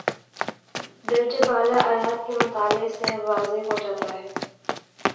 درجِ بالا آیات کے مطالعے سے واضح ہو جاتا ہے